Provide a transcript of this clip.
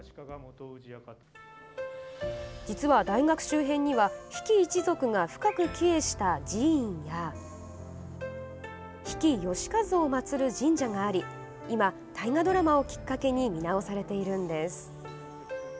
実は、大学周辺には比企一族が深く帰依した寺院や比企能員をまつる神社があり今、大河ドラマをきっかけに見直されているんです。